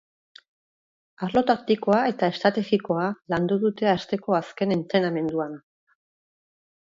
Arlo taktikoa eta estrategikoa landu dute asteko azken entrenamenduan.